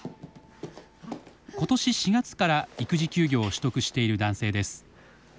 今年４月から育児休業を取得している男性です。